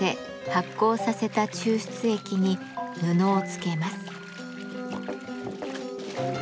発酵させた抽出液に布をつけます。